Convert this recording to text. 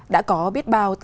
đã có biết bao